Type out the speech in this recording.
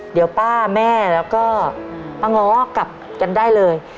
เดี๋ยวป้าแม่แล้วก็ป้าง้อกลับกันได้เลย